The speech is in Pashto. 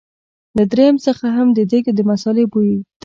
له دريم څخه هم د دېګ د مثالې بوی ته.